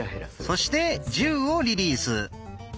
そして「１０」をリリース。